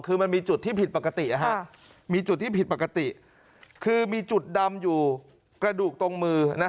คือมันมีจุดที่ผิดปกติคือมีจุดดำอยู่กระดูกตรงมือ